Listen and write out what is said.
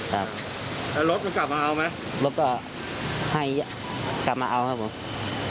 ครับแล้วรถมันกลับมาเอาไหมรถก็ให้กลับมาเอาครับผม